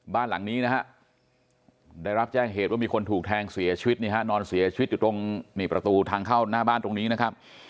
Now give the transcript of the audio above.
บ้านหลังนี้นะฮะได้รับแจ้งเหตุว่ามีคนถูกแทงเสียชีวิตนี่ฮะนอนเสียชีวิตอยู่ตรงประตูทางเข้าหน้าบ้านตรงนี้นะครับ